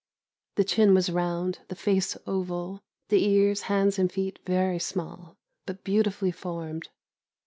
The chin was round, the face oval; the ears, hands, and feet very small, but beautifully formed.